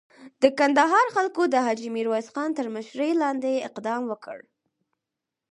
د کندهار خلکو د حاجي میرویس خان تر مشري لاندې اقدام وکړ.